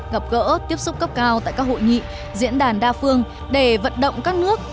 gặp gỡ tiếp xúc cấp cao tại các hội nghị diễn đàn đa phương để vận động các nước